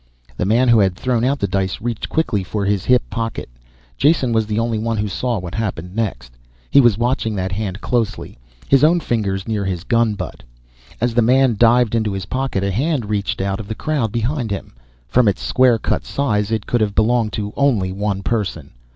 The man who had thrown out the dice reached quickly for his hip pocket. Jason was the only one who saw what happened next. He was watching that hand closely, his own fingers near his gun butt. As the man dived into his pocket a hand reached out of the crowd behind him. From its square cut size it could have belonged to only one person.